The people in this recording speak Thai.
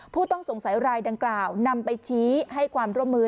ผู้ต้องสงสัยรายดังกล่าวนำไปชี้ให้ความร่วมมือ